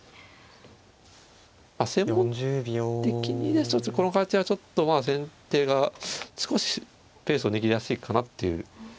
専門的にですとこの形はちょっと先手が少しペースを握りやすいかなっていう。